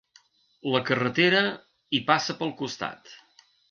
La carretera hi passa pel costat.